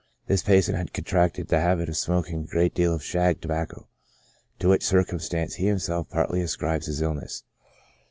This patient has contracted the habit of smoking a great deal of shag tobacco, to which circumstance he himself partly ascribes his illness.